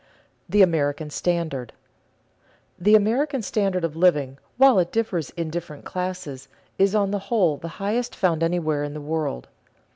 [Sidenote: The American standard] The American standard of living, while it differs in different classes, is on the whole the highest found anywhere in the world.